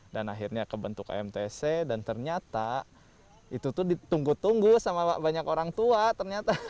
dan akhirnya kebentuk emtc dan ternyata itu tuh ditunggu tunggu sama banyak orang tua ternyata